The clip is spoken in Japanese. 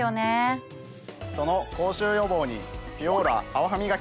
その口臭予防に。